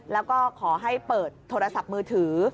แล้วก็ขอให้เปิดโทรศัพท์มือถือ